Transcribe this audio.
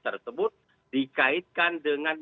tersebut dikaitkan dengan